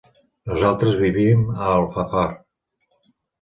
Nosaltres vivim a Alfafar.